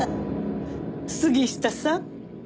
杉下さん